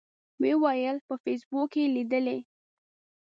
و یې ویل په فیسبوک کې یې لیدلي.